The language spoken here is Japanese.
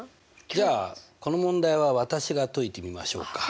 じゃあこの問題は私が解いてみましょうか。